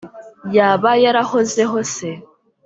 yaba yarahozeho se